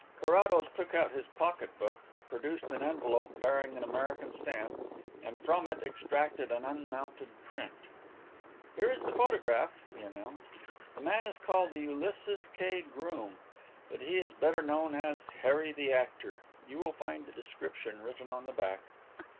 Carrados took out his pocket book, produced an envelope bearing an American stamp, and from it extracted an unmounted print. "Here is the photograph," he announced. "The man is called Ulysses K. Groom, but he is better known as 'Harry the Actor.' You will find the description written on the back."